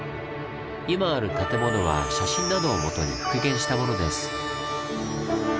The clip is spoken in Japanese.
今ある建物は写真などをもとに復元したものです。